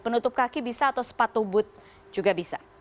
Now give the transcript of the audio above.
penutup kaki bisa atau sepatu booth juga bisa